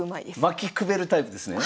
まきくべるタイプですね？